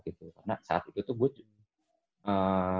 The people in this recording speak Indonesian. karena saat itu tuh gue